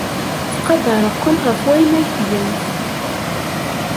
Ttqadareɣ-kent ɣef wayen ay tgamt.